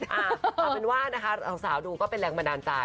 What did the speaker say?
เอาเป็นว่านะคะสาวดูก็เป็นแรงบันดาลใจ